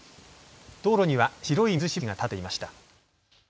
道路には白い水しぶきが立っていました。